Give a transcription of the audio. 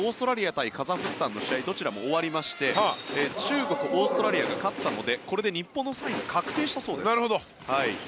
対カザフスタンの試合どちらも終わりまして中国、オーストラリアが勝ったのでこれで日本の３位が確定したそうです。